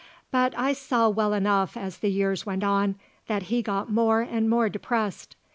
But I saw well enough as the years went on that he got more and more depressed.